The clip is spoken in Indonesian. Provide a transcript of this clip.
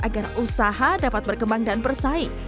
agar usaha dapat berkembang dan bersaing